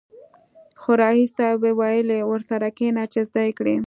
خو ريس صيب ويلې ورسره کېنه چې زده يې کې.